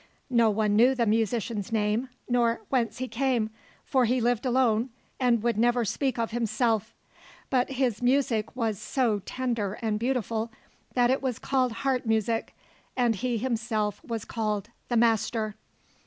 No one knew the musician's name nor whence he came, for he lived alone and would never speak of himself; but his music was so tender and beautiful that it was called heart music, and he himself was called the Master.